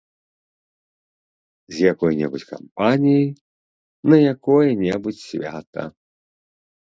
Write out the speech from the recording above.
З якой-небудзь кампаніяй, на якое-небудзь свята.